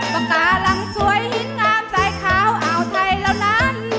ปากกาหลังสวยหินงามสายขาวอ่าวไทยเหล่านั้น